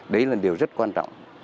đấy là điều rất quan trọng